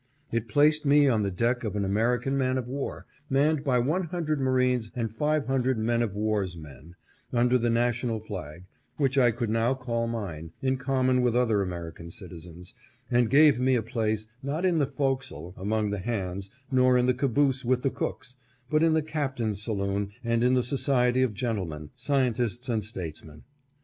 It placed me on the deck of an American man of war, manned by one hundred marines and five hundred men of wars men, under the national flag, which I could now call mine, in common with other American citizens, and gave me a place not in the fore castle, among the hands, nor in the caboose with the cooks, but in the captain's saloon and in the so ciety of gentlemen, scientists and statesmen.